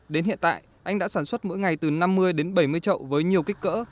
đến hiện tại anh đã sản xuất mỗi ngày từ năm mươi đến bảy mươi trậu với nhiều kích cỡ